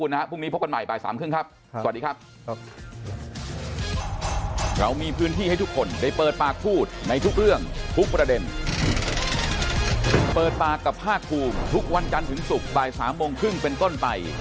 วันนี้ขอบพระคุณนะครับพรุ่งนี้พบกันใหม่บ่าย๓๓๐ครับ